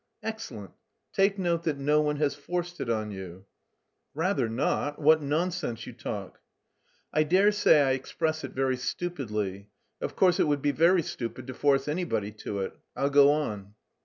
"Excellent. Take note that no one has forced it on you." "Rather not; what nonsense you talk." "I dare say I express it very stupidly. Of course, it would be very stupid to force anybody to it. I'll go on.